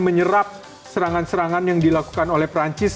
menyerap serangan serangan yang dilakukan oleh perancis